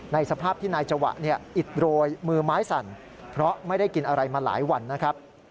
สภาพที่นายจวะเนี่ยอิดโรยมือไม้สั่นเพราะไม่ได้กินอะไรมาหลายวันนะครับ